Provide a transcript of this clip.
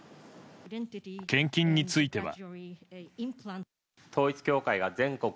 献金については。